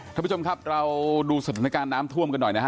ท่านผู้ชมครับเราดูสถานการณ์น้ำท่วมกันหน่อยนะฮะ